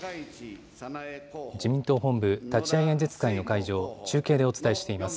自民党本部立会演説会の会場、中継でお伝えしています。